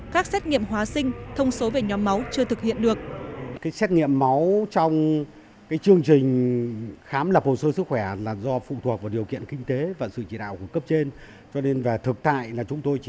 các xét nghiệm hóa sinh thông số về nhóm máu chưa thực hiện được